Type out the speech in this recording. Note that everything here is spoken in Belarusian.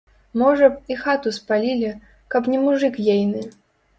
Можа б, і хату спалілі, каб не мужык ейны.